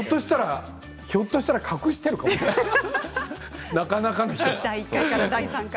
ひょっとしたら隠しているかもしれないよ。